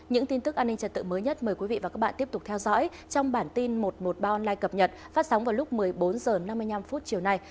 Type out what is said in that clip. những tin tức an ninh trật tự mới nhất mời quý vị và các bạn tiếp tục theo dõi trong bản tin một trăm một mươi ba online cập nhật phát sóng vào lúc một mươi bốn h năm mươi năm chiều nay